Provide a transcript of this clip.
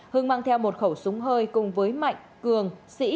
hưng mang theo một khẩu súng hơi cùng với mạnh cường sĩ